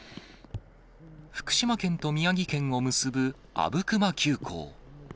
福島県と宮城県を結ぶ阿武隈急行。